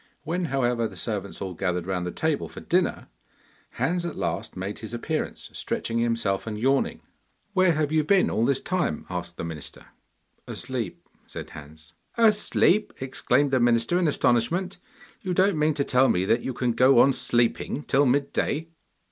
When, however, the servants all gathered round the table for dinner, Hans at last made his appearance stretching himself and yawning. 'Where have you been all this time?' asked the minister. 'Asleep,' said Hans. 'Asleep!' exclaimed the minister in astonishment. 'You don't mean to tell me that you can go on sleeping till mid day?